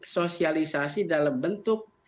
sosialisasi dalam bentuk